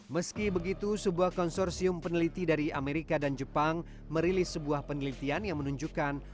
meski begitu sebuah konsorsium peneliti dari amerika dan jepang merilis sebuah penelitian yang menunjukkan